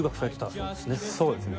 そうですね。